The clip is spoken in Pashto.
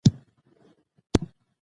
امیر دوست محمد خان بیرته واک ته راغی.